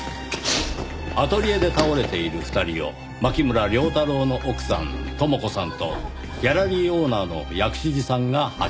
アトリエで倒れている２人を牧村遼太郎の奥さん智子さんとギャラリーオーナーの薬師寺さんが発見。